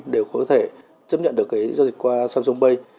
đều có thể chấp nhận được cái giao dịch qua samsung pay